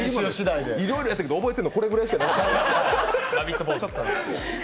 いろいろやったけど、覚えてるのこれくらいしかないですよ。